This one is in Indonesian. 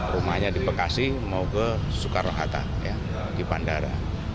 rumahnya di bekasi mau ke soekarno hatta di bandara